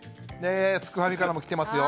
すくファミからも来てますよ。